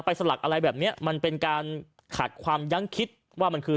สลักอะไรแบบเนี้ยมันเป็นการขัดความยั้งคิดว่ามันคือ